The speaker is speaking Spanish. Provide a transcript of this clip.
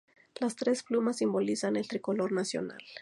Las tres plumas simbolizan el tricolor nacional.